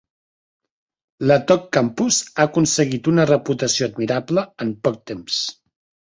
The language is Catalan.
L'Attock Campus ha aconseguit una reputació admirable en poc temps.